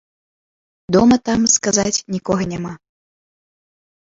Дома там, сказаць, нікога няма.